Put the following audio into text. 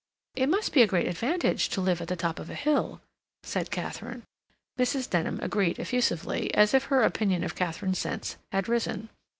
"It must be a great advantage to live at the top of a hill," said Katharine. Mrs. Denham agreed effusively, as if her opinion of Katharine's sense had risen.